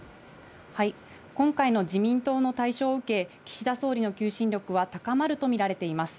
今回の自民党の大勝を受け、岸田総理の求心力は高まるとみられています。